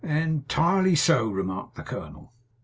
'En tirely so,' remarked the colonel.